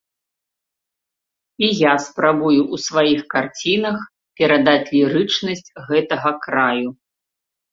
І я спрабую ў сваіх карцінах перадаць лірычнасць гэтага краю.